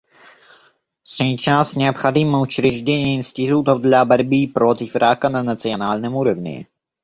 Сейчас необходимо учреждение институтов для борьбы против рака на национальном уровне.